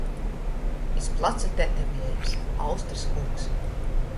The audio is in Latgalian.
Iz placa tetoviejums – Austrys kūks.